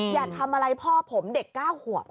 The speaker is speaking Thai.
อย่าทำอะไรพ่อผมเด็ก๙ขวบ